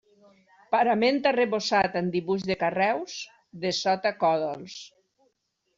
Parament arrebossat amb dibuix de carreus, dessota còdols.